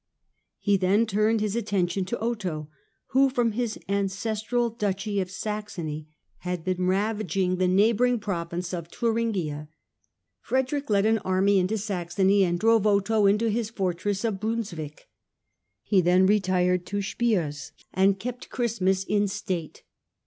He then turned his attention to Otho, who, from his ancestral duchy of Saxony, had been ravaging the neigh THE ADVENTURE AND THE GOAL 47 bouring province of Thuringia. Frederick led an army into Saxony and drove Otho into his fortress of Bruns wick. He then retired to Spiers and kept Christmas in state.